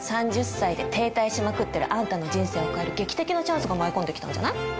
３０歳で停滞しまくってるあんたの人生を変える劇的なチャンスが舞い込んで来たんじゃない？